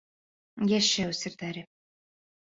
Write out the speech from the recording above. ЙӘШӘҮ СЕРҘӘРЕ